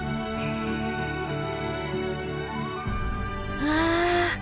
うわ！